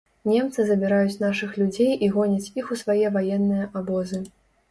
Немцы забіраюць нашых людзей і гоняць іх у свае ваенныя абозы.